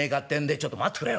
「ちょっと待っつくれよ。